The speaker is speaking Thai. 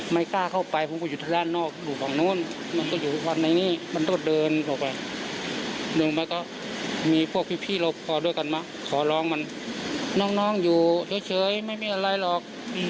มันก็มีพวกพี่โรคพอด้วยกันมาขอร้องมันน้องอยู่เฉยไม่มีอะไรหรอก